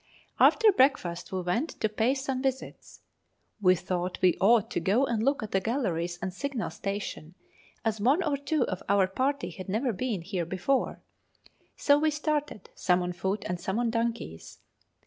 After breakfast we went to pay some visits. We thought we ought to go and look at the galleries and Signal Station, as one or two of our party had never been here before; so we started, some on foot and some on donkeys.